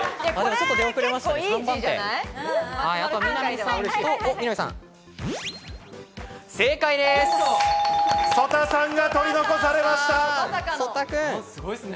ちょっと出遅れましたね。